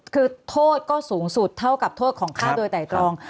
คือโทษก็สูงสุดเท่ากับโทษของฆ่าโดยไตรตรอง